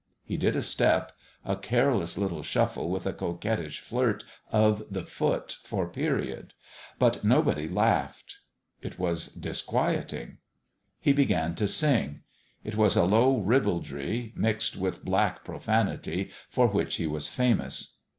He did a step a careless little shuffle with a coquettish flirt of the foot for period. But nobody laughed. It was disquiet ing. He began to sing ; it was a low ribaldry, mixed with black profanity, for which he was famous.